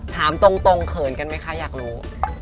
ถามตรงเขินกันไหมคะอยากรู้